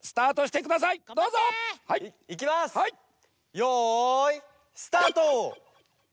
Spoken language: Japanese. よいスタート！